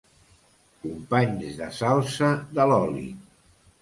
Companys de salsa de l'oli.